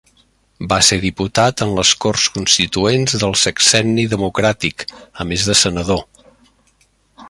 Va ser diputat en les Corts constituents del Sexenni Democràtic, a més de senador.